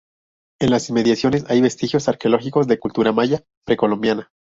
En las inmediaciones hay vestigios arqueológicos de la cultura maya precolombina.